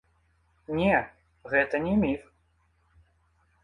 Не, гэта не міф.